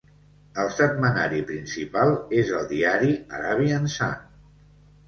El setmanari principal és el diari "Arabian Sun".